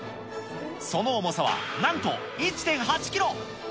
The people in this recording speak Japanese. その重さはなんと１．８キロ。